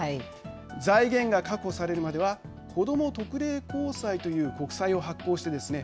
財源が確保されるまではこども特例公債という国債を発行してですね